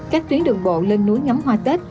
các tuyến đường bộ lên núi ngắm hoa tết